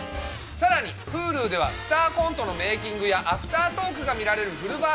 さらにＨｕｌｕでは「スタアコント」のメイキングやアフタートークが見られるフルバージョン。